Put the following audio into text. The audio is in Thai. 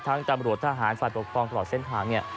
ตำรวจทหารฝ่ายปกครองตลอดเส้นทางเนี่ย